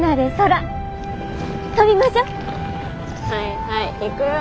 はいはい行くよ。